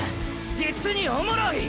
じつにおもろい！！